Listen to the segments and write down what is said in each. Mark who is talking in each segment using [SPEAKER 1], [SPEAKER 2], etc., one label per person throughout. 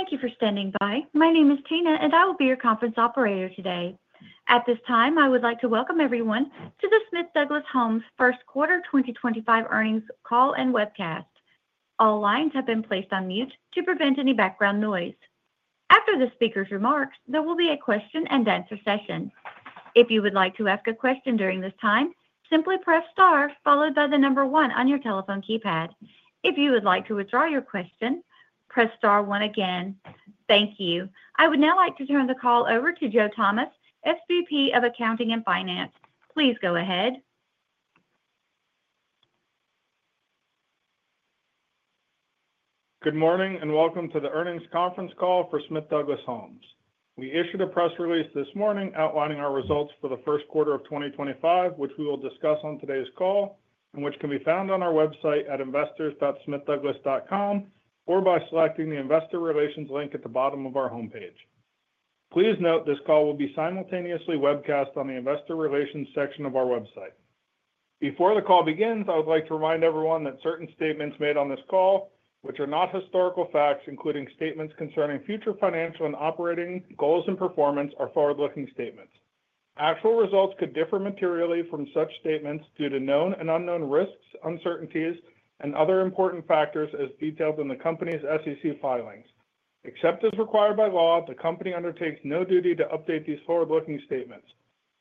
[SPEAKER 1] Thank you for standing by. My name is Tina, and I will be your conference operator today. At this time, I would like to welcome everyone to the Smith Douglas Homes First Quarter 2025 earnings call and webcast. All lines have been placed on mute to prevent any background noise. After the speaker's remarks, there will be a question-and-answer session. If you would like to ask a question during this time, simply press star followed by the number one on your telephone keypad. If you would like to withdraw your question, press star one again. Thank you. I would now like to turn the call over to Joe Thomas, SVP of Accounting and Finance. Please go ahead.
[SPEAKER 2] Good morning and welcome to the earnings conference call for Smith Douglas Homes. We issued a press release this morning outlining our results for the first quarter of 2025, which we will discuss on today's call and which can be found on our website at investors.smithdouglas.com or by selecting the investor relations link at the bottom of our homepage. Please note this call will be simultaneously webcast on the investor relations section of our website. Before the call begins, I would like to remind everyone that certain statements made on this call, which are not historical facts, including statements concerning future financial and operating goals and performance, are forward-looking statements. Actual results could differ materially from such statements due to known and unknown risks, uncertainties, and other important factors as detailed in the company's SEC filings. Except as required by law, the company undertakes no duty to update these forward-looking statements.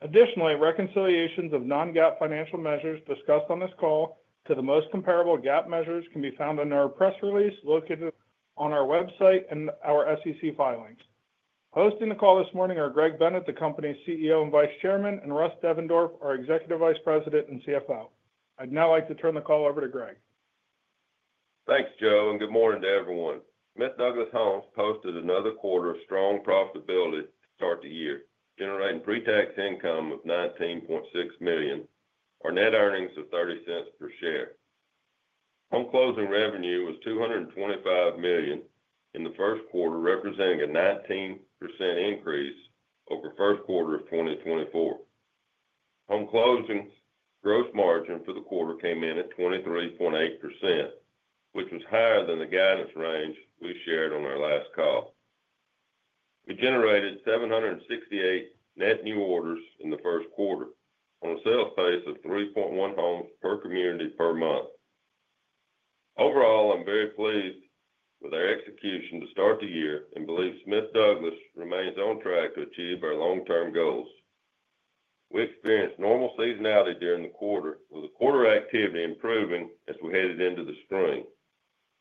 [SPEAKER 2] Additionally, reconciliations of non-GAAP financial measures discussed on this call to the most comparable GAAP measures can be found in our press release located on our website and our SEC filings. Hosting the call this morning are Greg Bennett, the company's CEO and Vice Chairman, and Russ Devendorf, our Executive Vice President and CFO. I'd now like to turn the call over to Greg.
[SPEAKER 3] Thanks, Joe, and good morning to everyone. Smith Douglas Homes posted another quarter of strong profitability to start the year, generating pre-tax income of $19.6 million. Our net earnings are $0.30 per share. Home closing revenue was $225 million in the first quarter, representing a 19% increase over the first quarter of 2023. Home closing gross margin for the quarter came in at 23.8%, which was higher than the guidance range we shared on our last call. We generated 768 net new orders in the first quarter on a sales base of 3.1 homes per community per month. Overall, I'm very pleased with our execution to start the year and believe Smith Douglas remains on track to achieve our long-term goals. We experienced normal seasonality during the quarter, with the quarter activity improving as we headed into the spring.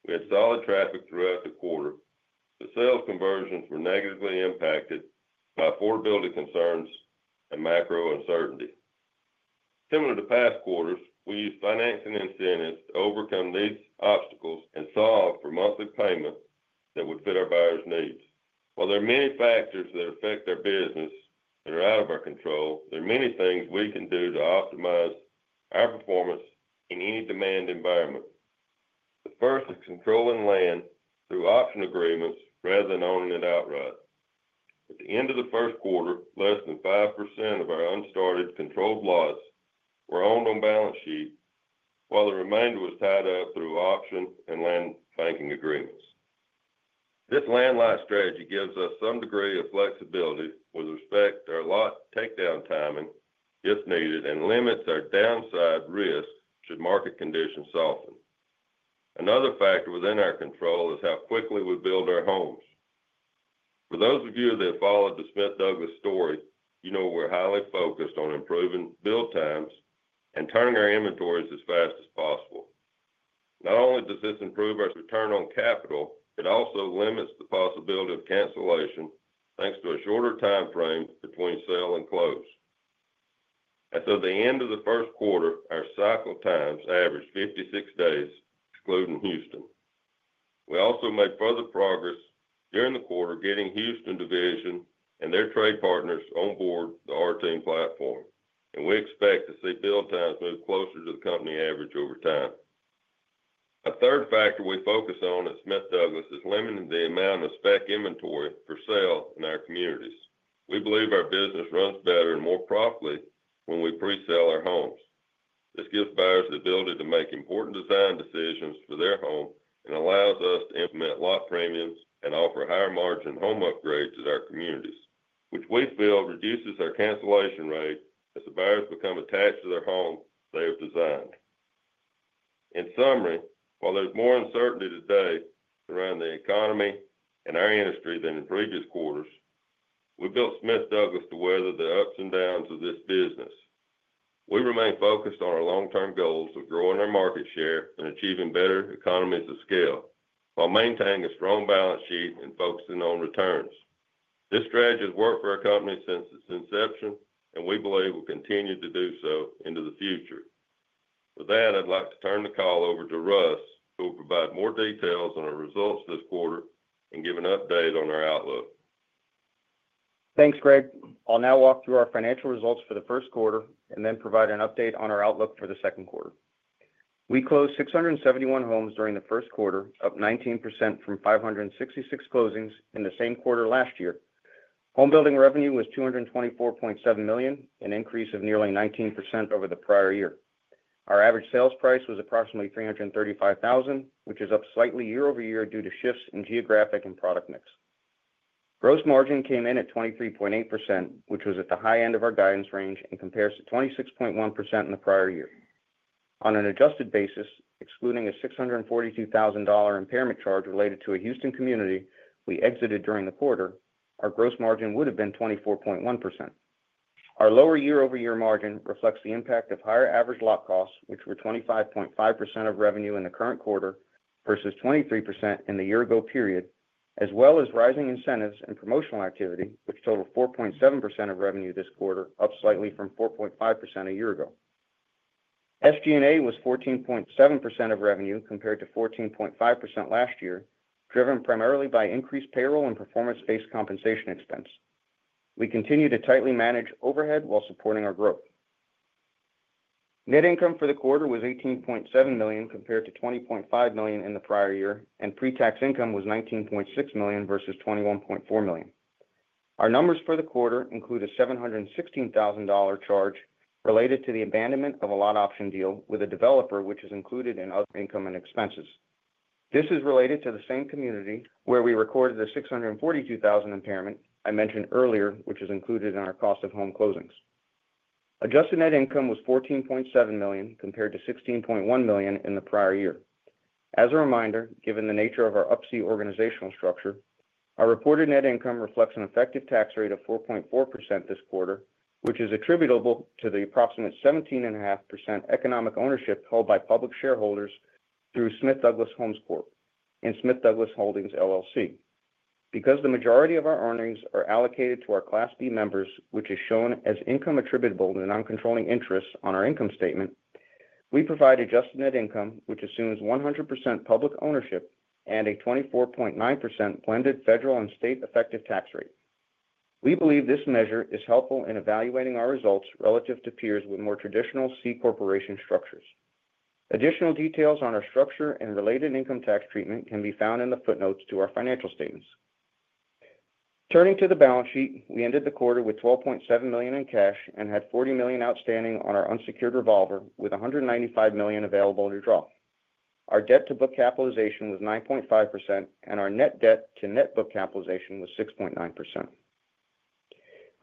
[SPEAKER 3] We had solid traffic throughout the quarter, but sales conversions were negatively impacted by affordability concerns and macro uncertainty. Similar to past quarters, we used financing incentives to overcome these obstacles and solve for monthly payments that would fit our buyers' needs. While there are many factors that affect our business that are out of our control, there are many things we can do to optimize our performance in any demand environment. The first is controlling land through option agreements rather than owning it outright. At the end of the first quarter, less than 5% of our unstarted controlled lots were owned on balance sheet, while the remainder was tied up through option and land banking agreements. This land lot strategy gives us some degree of flexibility with respect to our lot takedown timing if needed and limits our downside risk should market conditions soften. Another factor within our control is how quickly we build our homes. For those of you that have followed the Smith Douglas story, you know we're highly focused on improving build times and turning our inventories as fast as possible. Not only does this improve our return on capital, it also limits the possibility of cancellation thanks to a shorter time frame between sale and close. As of the end of the first quarter, our cycle times averaged 56 days, excluding Houston. We also made further progress during the quarter getting Houston Division and their trade partners on board the RTM platform, and we expect to see build times move closer to the company average over time. A third factor we focus on at Smith Douglas is limiting the amount of spec inventory for sale in our communities. We believe our business runs better and more profitably when we pre-sell our homes. This gives buyers the ability to make important design decisions for their home and allows us to implement lot premiums and offer higher margin home upgrades to our communities, which we feel reduces our cancellation rate as the buyers become attached to their homes they have designed. In summary, while there's more uncertainty today around the economy and our industry than in previous quarters, we built Smith Douglas Homes to weather the ups and downs of this business. We remain focused on our long-term goals of growing our market share and achieving better economies of scale while maintaining a strong balance sheet and focusing on returns. This strategy has worked for our company since its inception, and we believe we'll continue to do so into the future. With that, I'd like to turn the call over to Russ, who will provide more details on our results this quarter and give an update on our outlook.
[SPEAKER 4] Thanks, Greg. I'll now walk through our financial results for the first quarter and then provide an update on our outlook for the second quarter. We closed 671 homes during the first quarter, up 19% from 566 closings in the same quarter last year. Home building revenue was $224.7 million, an increase of nearly 19% over the prior year. Our average sales price was approximately $335,000, which is up slightly year-over-year due to shifts in geographic and product mix. Gross margin came in at 23.8%, which was at the high end of our guidance range and compares to 26.1% in the prior year. On an adjusted basis, excluding a $642,000 impairment charge related to a Houston community we exited during the quarter, our gross margin would have been 24.1%. Our lower year-over-year margin reflects the impact of higher average lot costs, which were 25.5% of revenue in the current quarter versus 23% in the year-ago period, as well as rising incentives and promotional activity, which totaled 4.7% of revenue this quarter, up slightly from 4.5% a year ago. SG&A was 14.7% of revenue compared to 14.5% last year, driven primarily by increased payroll and performance-based compensation expense. We continue to tightly manage overhead while supporting our growth. Net income for the quarter was $18.7 million compared to $20.5 million in the prior year, and pre-tax income was $19.6 million versus $21.4 million. Our numbers for the quarter include a $716,000 charge related to the abandonment of a lot option deal with a developer, which is included in other income and expenses. This is related to the same community where we recorded the $642,000 impairment I mentioned earlier, which is included in our cost of home closings. Adjusted net income was $14.7 million compared to $16.1 million in the prior year. As a reminder, given the nature of our upsea organizational structure, our reported net income reflects an effective tax rate of 4.4% this quarter, which is attributable to the approximate 17.5% economic ownership held by public shareholders through Smith Douglas Homes and Smith Douglas Holdings. Because the majority of our earnings are allocated to our Class B members, which is shown as income attributable to non-controlling interest on our income statement, we provide adjusted net income, which assumes 100% public ownership and a 24.9% blended federal and state effective tax rate. We believe this measure is helpful in evaluating our results relative to peers with more traditional C corporation structures. Additional details on our structure and related income tax treatment can be found in the footnotes to our financial statements. Turning to the balance sheet, we ended the quarter with $12.7 million in cash and had $40 million outstanding on our unsecured revolver, with $195 million available to draw. Our debt-to-book capitalization was 9.5%, and our net debt-to-net book capitalization was 6.9%.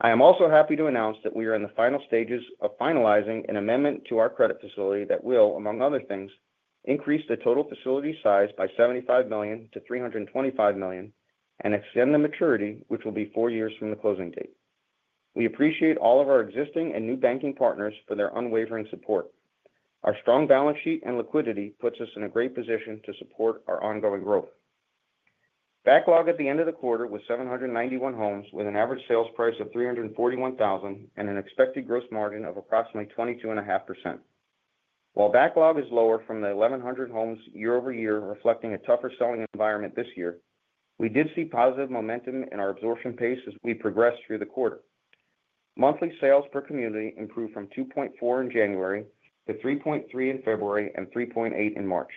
[SPEAKER 4] I am also happy to announce that we are in the final stages of finalizing an amendment to our credit facility that will, among other things, increase the total facility size by $75 million to $325 million and extend the maturity, which will be four years from the closing date. We appreciate all of our existing and new banking partners for their unwavering support. Our strong balance sheet and liquidity puts us in a great position to support our ongoing growth. Backlog at the end of the quarter was 791 homes, with an average sales price of $341,000 and an expected gross margin of approximately 22.5%. While backlog is lower from the 1,100 homes year-over-year reflecting a tougher selling environment this year, we did see positive momentum in our absorption pace as we progressed through the quarter. Monthly sales per community improved from 2.4 in January to 3.3 in February and 3.8 in March.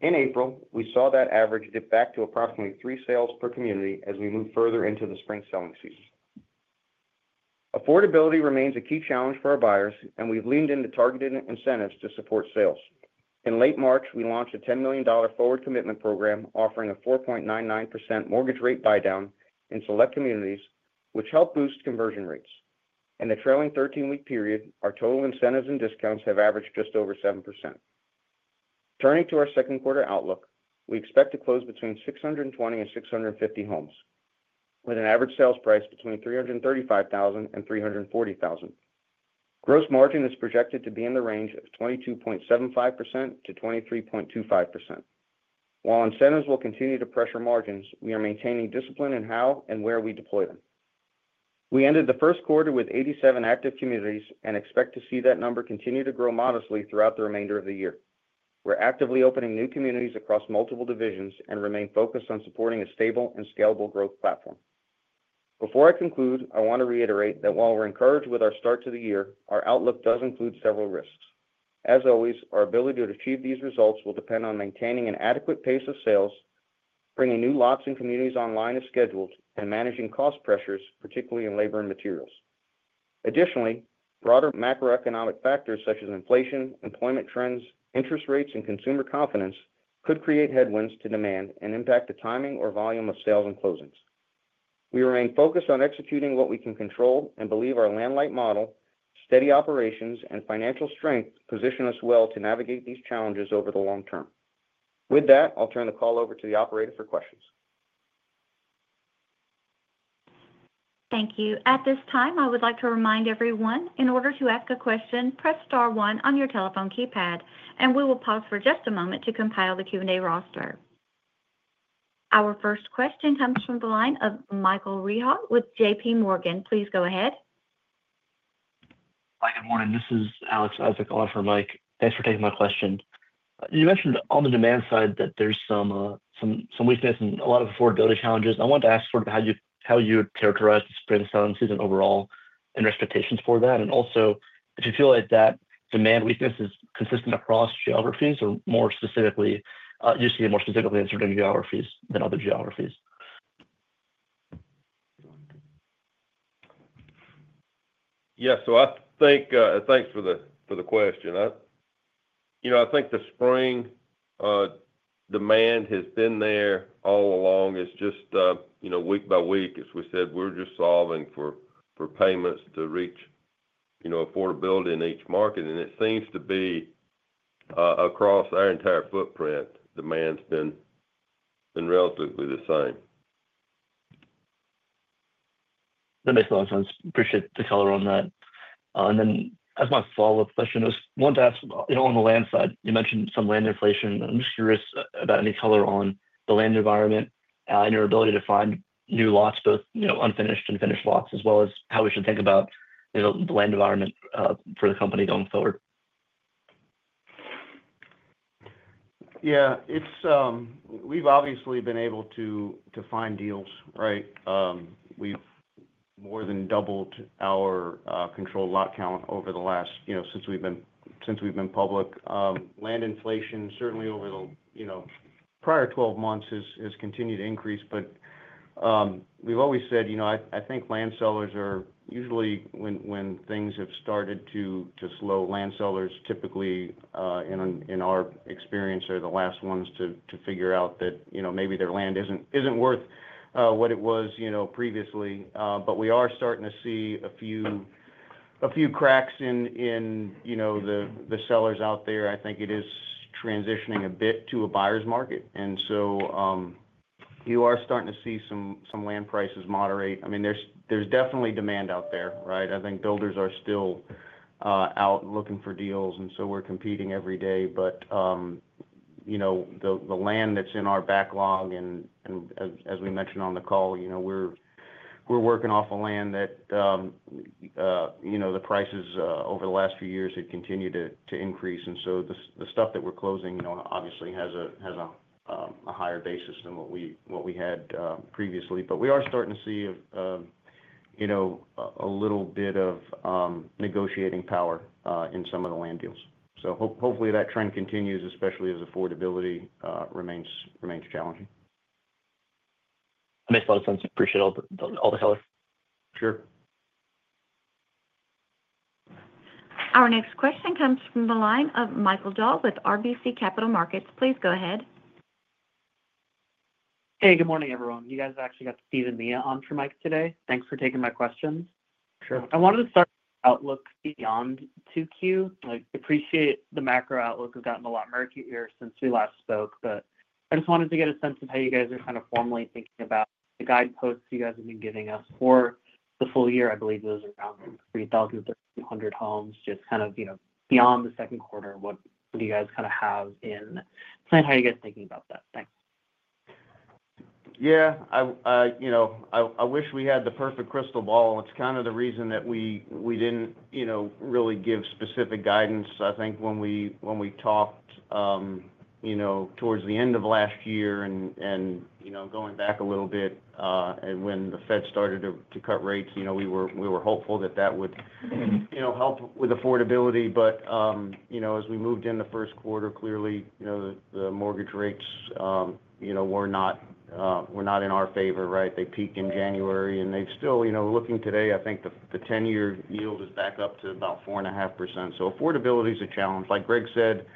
[SPEAKER 4] In April, we saw that average dip back to approximately three sales per community as we moved further into the spring selling season. Affordability remains a key challenge for our buyers, and we've leaned into targeted incentives to support sales. In late March, we launched a $10 million forward commitment program offering a 4.99% mortgage rate buy-down in select communities, which helped boost conversion rates. In the trailing 13-week period, our total incentives and discounts have averaged just over 7%. Turning to our second quarter outlook, we expect to close between 620 and 650 homes, with an average sales price between $335,000 and $340,000. Gross margin is projected to be in the range of 22.75%-23.25%. While incentives will continue to pressure margins, we are maintaining discipline in how and where we deploy them. We ended the first quarter with 87 active communities and expect to see that number continue to grow modestly throughout the remainder of the year. We're actively opening new communities across multiple divisions and remain focused on supporting a stable and scalable growth platform. Before I conclude, I want to reiterate that while we're encouraged with our start to the year, our outlook does include several risks. As always, our ability to achieve these results will depend on maintaining an adequate pace of sales, bringing new lots and communities online as scheduled, and managing cost pressures, particularly in labor and materials. Additionally, broader macroeconomic factors such as inflation, employment trends, interest rates, and consumer confidence could create headwinds to demand and impact the timing or volume of sales and closings. We remain focused on executing what we can control and believe our landlight model, steady operations, and financial strength position us well to navigate these challenges over the long term. With that, I'll turn the call over to the operator for questions.
[SPEAKER 1] Thank you. At this time, I would like to remind everyone, in order to ask a question, press star one on your telephone keypad, and we will pause for just a moment to compile the Q&A roster. Our first question comes from the line of Michael Rehaut with JPMorgan. Please go ahead.
[SPEAKER 5] Hi, good morning. This is Alex Isaac. Thanks for taking my question. You mentioned on the demand side that there's some weakness and a lot of affordability challenges. I wanted to ask sort of how you would characterize the spring selling season overall and expectations for that, and also if you feel like that demand weakness is consistent across geographies or more specifically, you see it more specifically in certain geographies than other geographies.
[SPEAKER 3] Yes, so I think thanks for the question. I think the spring demand has been there all along. It's just week-by-week, as we said, we're just solving for payments to reach affordability in each market, and it seems to be across our entire footprint, demand's been relatively the same.
[SPEAKER 5] That makes a lot of sense. I appreciate the color on that. As my follow-up question, I wanted to ask on the land side, you mentioned some land inflation. I'm just curious about any color on the land environment and your ability to find new lots, both unfinished and finished lots, as well as how we should think about the land environment for the company going forward.
[SPEAKER 4] Yeah, we've obviously been able to find deals, right? We've more than doubled our controlled lot count over the last since we've been public. Land inflation, certainly over the prior 12 months, has continued to increase, but we've always said I think land sellers are usually when things have started to slow, land sellers typically, in our experience, are the last ones to figure out that maybe their land isn't worth what it was previously. We are starting to see a few cracks in the sellers out there. I think it is transitioning a bit to a buyer's market, and you are starting to see some land prices moderate. I mean, there's definitely demand out there, right? I think builders are still out looking for deals, and we're competing every day. The land that's in our backlog, and as we mentioned on the call, we're working off land that the prices over the last few years have continued to increase. The stuff that we're closing obviously has a higher basis than what we had previously. We are starting to see a little bit of negotiating power in some of the land deals. Hopefully that trend continues, especially as affordability remains challenging.
[SPEAKER 5] That makes a lot of sense. Appreciate all the color.
[SPEAKER 4] Sure.
[SPEAKER 1] Our next question comes from the line of Michael joubert with RBC Capital Markets. Please go ahead. Hey, good morning, everyone. You guys actually got to feed in the on for Mike today. Thanks for taking my questions. I wanted to start outlook beyond 2Q. I appreciate the macro outlook. We've gotten a lot murky here since we last spoke, but I just wanted to get a sense of how you guys are kind of formally thinking about the guideposts you guys have been giving us for the full year. I believe it was around 3,000-3,100 homes, just kind of beyond the second quarter. What do you guys kind of have in plan? How are you guys thinking about that? Thanks.
[SPEAKER 4] Yeah, I wish we had the perfect crystal ball. It's kind of the reason that we didn't really give specific guidance. I think when we talked towards the end of last year and going back a little bit when the Fed started to cut rates, we were hopeful that that would help with affordability. As we moved in the first quarter, clearly the mortgage rates were not in our favor, right? They peaked in January, and they're still looking today. I think the 10-year yield is back up to about 4.5%. So affordability is a challenge. Like Greg said,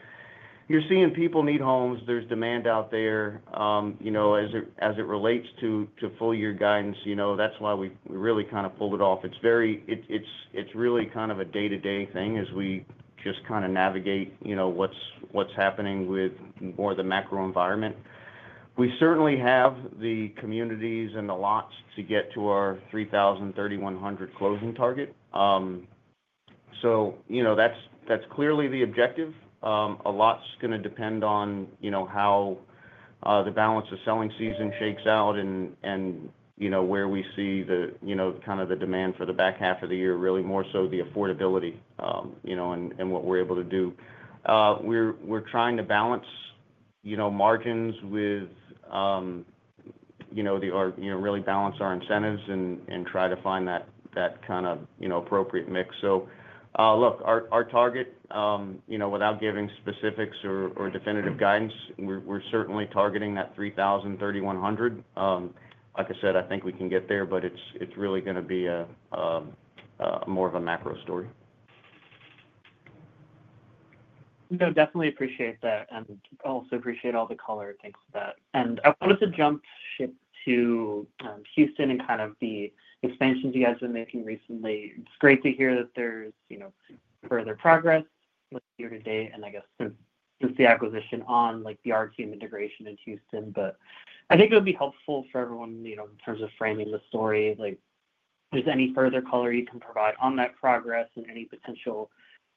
[SPEAKER 4] you're seeing people need homes. There's demand out there. As it relates to full-year guidance, that's why we really kind of pulled it off. It's really kind of a day-to-day thing as we just kind of navigate what's happening with more of the macro environment. We certainly have the communities and the lots to get to our 3,000-3,100 closing target. That is clearly the objective. A lot is going to depend on how the balance of selling season shakes out and where we see kind of the demand for the back half of the year, really more so the affordability and what we are able to do. We are trying to balance margins with really balance our incentives and try to find that kind of appropriate mix. Our target, without giving specifics or definitive guidance, we are certainly targeting that 3,000-3,100. Like I said, I think we can get there, but it is really going to be more of a macro story. No, definitely appreciate that. I also appreciate all the color. Thanks for that. I wanted to jump ship to Houston and kind of the expansions you guys have been making recently. It's great to hear that there's further progress year to date and I guess since the acquisition on the RTM integration in Houston. I think it would be helpful for everyone in terms of framing the story if there's any further color you can provide on that progress and any potential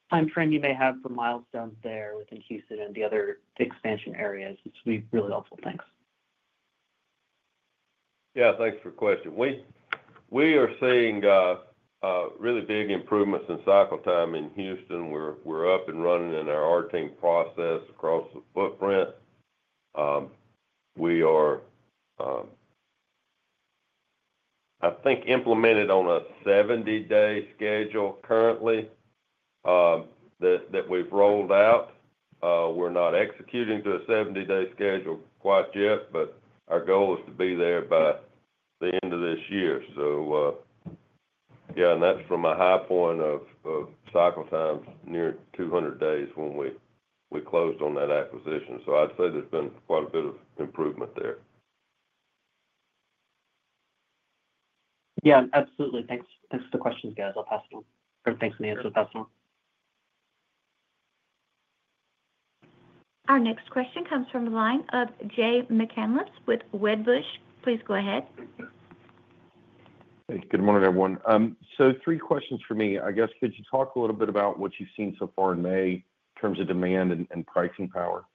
[SPEAKER 4] time frame you may have for milestones there within Houston and the other expansion areas. It would be really helpful. Thanks.
[SPEAKER 3] Yeah, thanks for the question. We are seeing really big improvements in cycle time in Houston. We're up and running in our RTM process across the footprint. We are, I think, implemented on a 70-day schedule currently that we've rolled out. We're not executing to a 70-day schedule quite yet, but our goal is to be there by the end of this year. Yeah, and that's from a high point of cycle times, near 200 days when we closed on that acquisition. I'd say there's been quite a bit of improvement there. Yeah, absolutely. Thanks for the questions, guys. I'll pass it on. Thanks, Nance. We'll pass it on.
[SPEAKER 1] Our next question comes from the line of Jay McCanless with Wedbush. Please go ahead.
[SPEAKER 6] Hey, good morning, everyone. Three questions for me. I guess, could you talk a little bit about what you've seen so far in May in terms of demand and pricing power?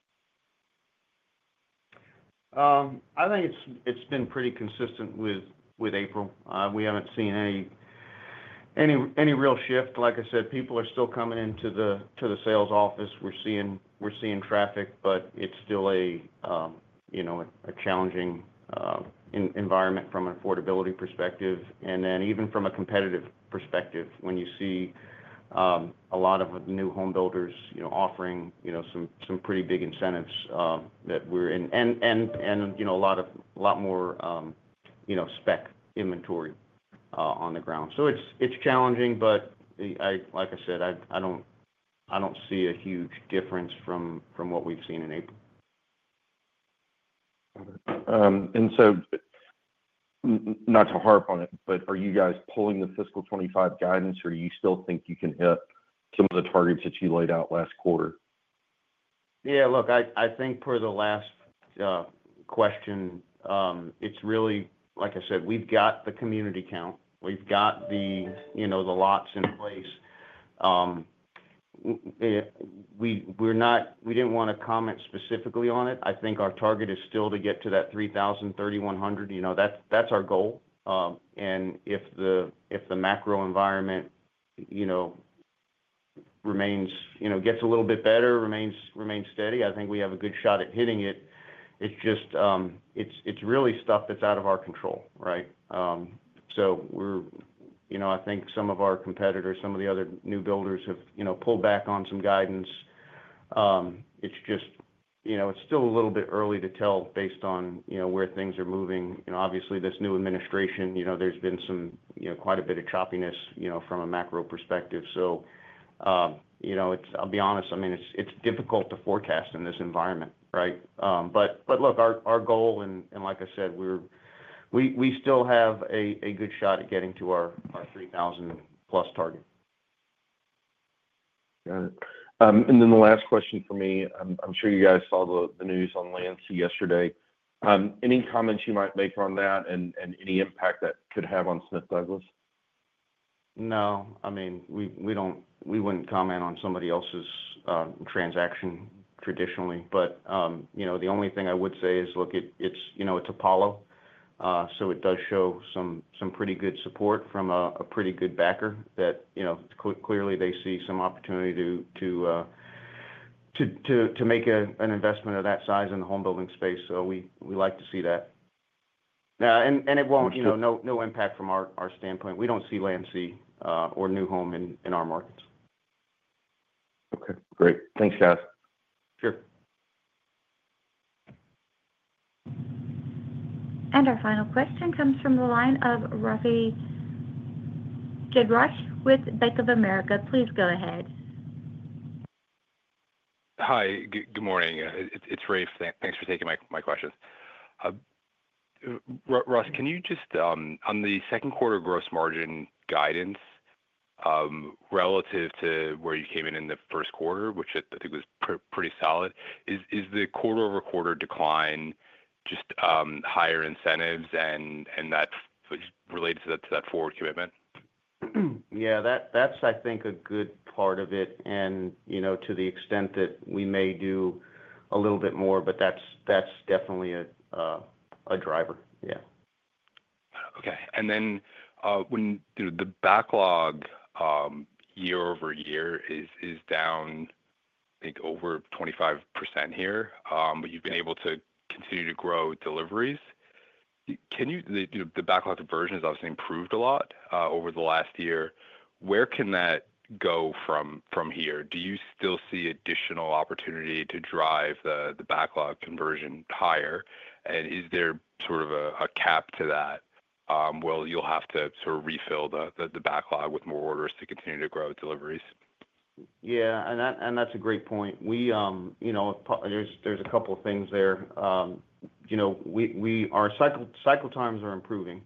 [SPEAKER 4] I think it's been pretty consistent with April. We haven't seen any real shift. Like I said, people are still coming into the sales office. We're seeing traffic, but it's still a challenging environment from an affordability perspective. Even from a competitive perspective, when you see a lot of new home builders offering some pretty big incentives that we're in and a lot more spec inventory on the ground. It's challenging, but like I said, I don't see a huge difference from what we've seen in April.
[SPEAKER 6] Not to harp on it, but are you guys pulling the fiscal 2025 guidance, or do you still think you can hit some of the targets that you laid out last quarter?
[SPEAKER 4] Yeah, look, I think for the last question, it's really, like I said, we've got the community count. We've got the lots in place. We didn't want to comment specifically on it. I think our target is still to get to that 3,000-3,100. That's our goal. If the macro environment gets a little bit better, remains steady, I think we have a good shot at hitting it. It's really stuff that's out of our control, right? I think some of our competitors, some of the other new builders have pulled back on some guidance. It's still a little bit early to tell based on where things are moving. Obviously, this new administration, there's been quite a bit of choppiness from a macro perspective. I'll be honest, I mean, it's difficult to forecast in this environment, right? Look, our goal, and like I said, we still have a good shot at getting to our 3,000-plus target.
[SPEAKER 6] Got it. Then the last question for me, I'm sure you guys saw the news on Lansi yesterday. Any comments you might make on that and any impact that could have on Smith Douglas?
[SPEAKER 4] No. I mean, we wouldn't comment on somebody else's transaction traditionally. The only thing I would say is, look, it's Apollo. It does show some pretty good support from a pretty good backer that clearly they see some opportunity to make an investment of that size in the home building space. We like to see that. It won't have any impact from our standpoint. We don't see Lansi or New Home in our markets.
[SPEAKER 6] Okay. Great. Thanks, guys.
[SPEAKER 4] Sure.
[SPEAKER 1] Our final question comes from the line of Rafe Jadrosich with Bank of America. Please go ahead.
[SPEAKER 7] Hi, good morning. It's Rafe. Thanks for taking my questions. Russ, can you just on the second quarter gross margin guidance relative to where you came in in the first quarter, which I think was pretty solid, is the quarter-over-quarter decline just higher incentives and that related to that forward commitment?
[SPEAKER 4] Yeah, that's, I think, a good part of it. To the extent that we may do a little bit more, but that's definitely a driver. Yeah.
[SPEAKER 7] Okay. And then the backlog year-over-year is down, I think, over 25% here, but you've been able to continue to grow deliveries. The backlog conversion has obviously improved a lot over the last year. Where can that go from here? Do you still see additional opportunity to drive the backlog conversion higher? Is there sort of a cap to that? You'll have to sort of refill the backlog with more orders to continue to grow deliveries.
[SPEAKER 4] Yeah. That is a great point. There are a couple of things there. Our cycle times are improving.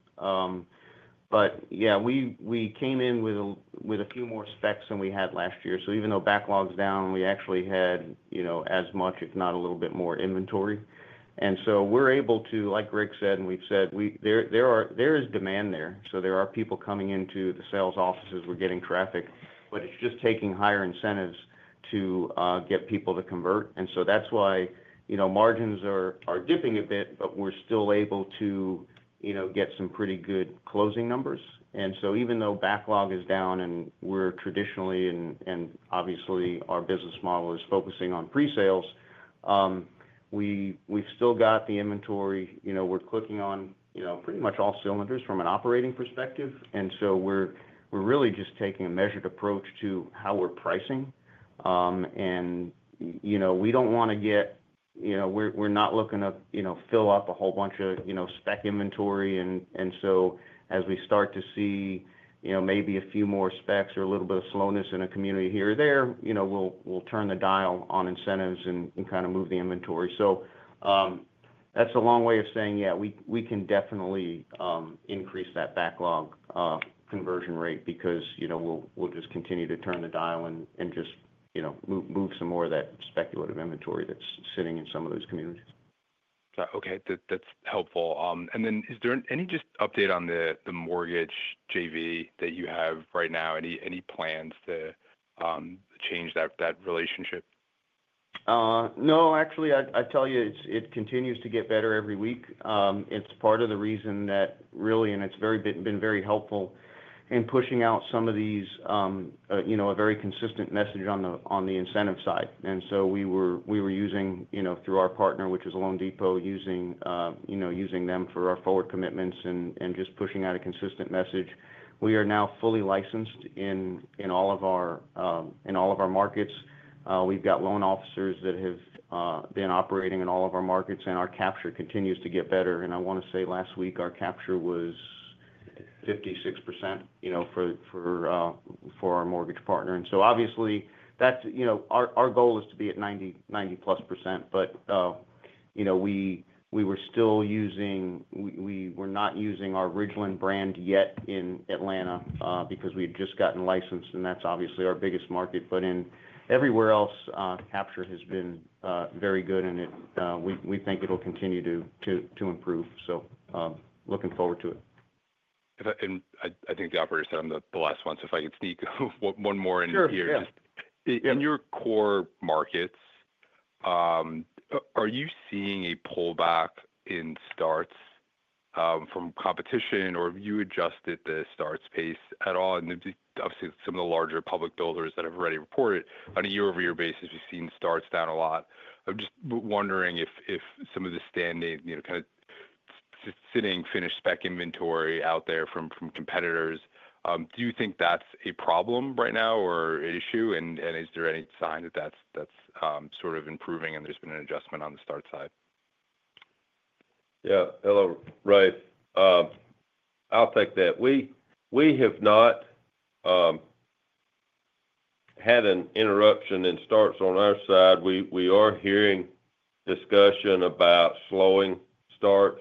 [SPEAKER 4] Yeah, we came in with a few more specs than we had last year. Even though backlog is down, we actually had as much, if not a little bit more, inventory. We are able to, like Greg said, and we have said, there is demand there. There are people coming into the sales offices. We are getting traffic, but it is just taking higher incentives to get people to convert. That is why margins are dipping a bit, but we are still able to get some pretty good closing numbers. Even though backlog is down and we are traditionally, and obviously our business model is focusing on pre-sales, we have still got the inventory. We are clicking on pretty much all cylinders from an operating perspective. We are really just taking a measured approach to how we are pricing. We do not want to get, we are not looking to fill up a whole bunch of spec inventory. As we start to see maybe a few more specs or a little bit of slowness in a community here or there, we will turn the dial on incentives and kind of move the inventory. That is a long way of saying, yeah, we can definitely increase that backlog conversion rate because we will just continue to turn the dial and just move some more of that speculative inventory that is sitting in some of those communities.
[SPEAKER 7] Okay. That's helpful. Is there any just update on the mortgage JV that you have right now? Any plans to change that relationship?
[SPEAKER 4] No, actually, I tell you, it continues to get better every week. It's part of the reason that really, and it's been very helpful in pushing out some of these, a very consistent message on the incentive side. We were using, through our partner, which is Loan Depot, using them for our forward commitments and just pushing out a consistent message. We are now fully licensed in all of our markets. We've got loan officers that have been operating in all of our markets, and our capture continues to get better. I want to say last week our capture was 56% for our mortgage partner. Obviously, our goal is to be at 90+%, but we were still using, we were not using our Ridgeland brand yet in Atlanta because we had just gotten licensed, and that's obviously our biggest market. In everywhere else, capture has been very good, and we think it'll continue to improve. So looking forward to it.
[SPEAKER 7] I think the operator said I'm the last one, so if I could sneak one more in here. In your core markets, are you seeing a pullback in starts from competition, or have you adjusted the starts pace at all? Obviously, some of the larger public builders that have already reported, on a year-over-year basis, we've seen starts down a lot. I'm just wondering if some of the standing kind of sitting finished spec inventory out there from competitors, do you think that's a problem right now or an issue? Is there any sign that that's sort of improving and there's been an adjustment on the start side?
[SPEAKER 3] Yeah. Hello. Right. I'll take that. We have not had an interruption in starts on our side. We are hearing discussion about slowing starts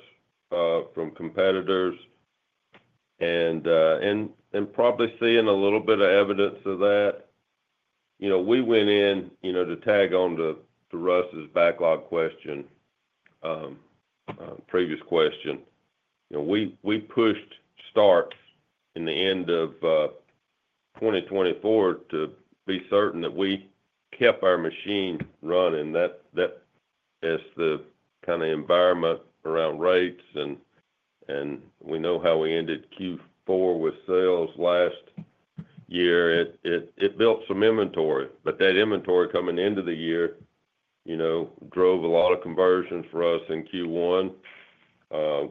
[SPEAKER 3] from competitors and probably seeing a little bit of evidence of that. We went in to tag on to Russ's backlog question, previous question. We pushed starts in the end of 2024 to be certain that we kept our machine running. That is the kind of environment around rates. We know how we ended Q4 with sales last year. It built some inventory, but that inventory coming into the year drove a lot of conversions for us in Q1.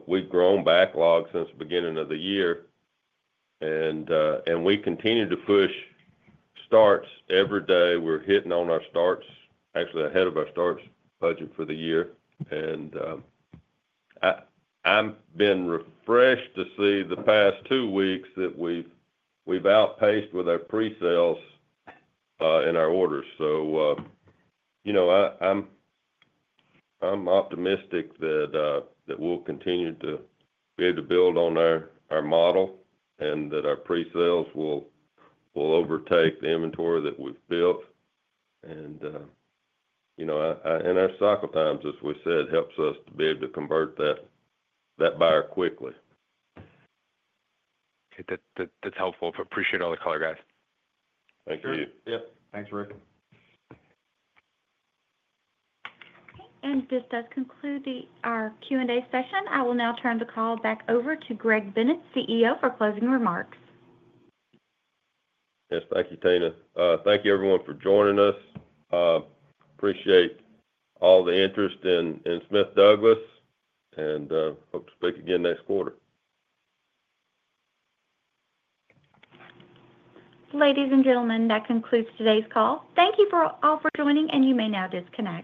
[SPEAKER 3] We have grown backlog since the beginning of the year, and we continue to push starts every day. We are hitting on our starts, actually ahead of our starts budget for the year. I've been refreshed to see the past two weeks that we've outpaced with our pre-sales in our orders. I'm optimistic that we'll continue to be able to build on our model and that our pre-sales will overtake the inventory that we've built. Our cycle times, as we said, helps us to be able to convert that buyer quickly.
[SPEAKER 7] Okay. That's helpful. Appreciate all the color, guys.
[SPEAKER 3] Thank you.
[SPEAKER 7] Yep. Thanks, Russ.
[SPEAKER 1] This does conclude our Q&A session. I will now turn the call back over to Greg Bennett, CEO, for closing remarks.
[SPEAKER 3] Yes. Thank you, Tina. Thank you, everyone, for joining us. Appreciate all the interest in Smith Douglas, and hope to speak again next quarter.
[SPEAKER 1] Ladies and gentlemen, that concludes today's call. Thank you all for joining, and you may now disconnect.